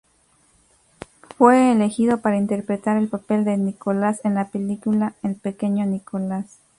Fue elegido para interpretar el papel de Nicolás en la película El pequeño Nicolás.